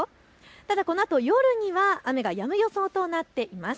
ただ、このあと夜には雨がやむ予想となっています。